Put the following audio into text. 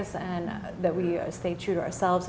dan kita tetap setuju dengan diri kita